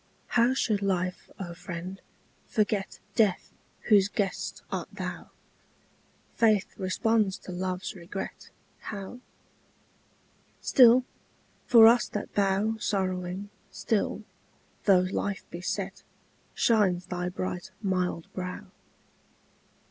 How should life, O friend, forget Death, whose guest art thou? Faith responds to love's regret, How? Still, for us that bow Sorrowing, still, though life be set, Shines thy bright mild brow.